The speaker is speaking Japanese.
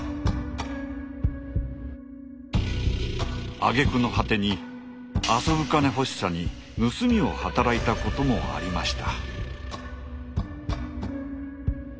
あげくの果てに遊ぶ金欲しさに盗みを働いたこともありました。